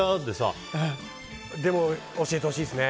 でも、教えてほしいですね。